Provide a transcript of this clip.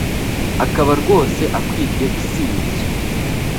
akaba rwose akwiriye gusingizwa